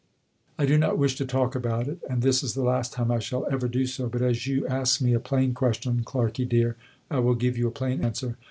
I do not wish to talk about it and this is the last time I shall ever do so, but as you ask me a plain question, Clarkey dear, I will give you a plain answer.